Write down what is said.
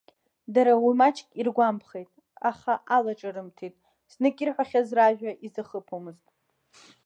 Дара уи маҷк иргәамԥхеит, аха алаҿырымҭит, знык ирҳәахьаз ражәа изахыԥомызт.